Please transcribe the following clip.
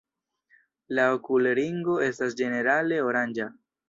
La okulringo estas ĝenerale oranĝa.